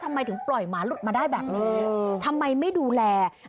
ทำไมถึงปล่อยหมาหลุดมาได้แบบนี้ทำไมไม่ดูแล